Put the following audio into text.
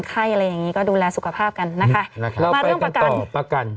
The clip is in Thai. ไข้อะไรอย่างงี้ก็ดูแลสุขภาพกันนะคะนะคะเราไปเรื่องประกันประกัน